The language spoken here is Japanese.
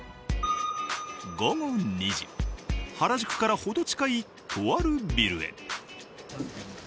午後２時原宿から程近いとあるビルへ。